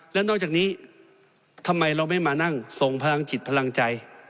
และนอกจากนี้ทำไมเราไม่มานั่งส่งพลังจิตพลังใจ